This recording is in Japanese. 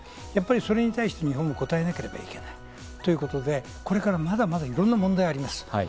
それに対して日本も応えなければいけないということで、まだまだ問題があります。